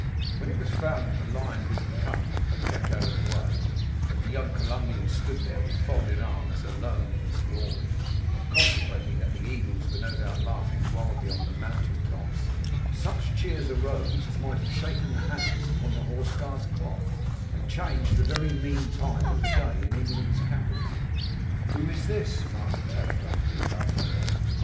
When it was found that the Lion didn't come, but kept out of the way; that the young Columbian stood there, with folded arms, alone in his glory; and consequently that the Eagles were no doubt laughing wildly on the mountain tops; such cheers arose as might have shaken the hands upon the Horse Guards' clock, and changed the very mean time of the day in England's capital. 'Who is this?' Martin telegraphed to La Fayette.